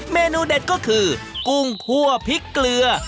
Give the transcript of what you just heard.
เมนูเด็ดก็คือกุ้งคั่วพริกเกลือ